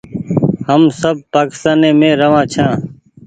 هم سب پآڪيستاني مينٚ رهوآن ڇآن